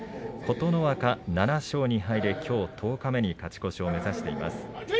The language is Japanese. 琴ノ若、７勝２敗できょう十日目に勝ち越しを目指しています。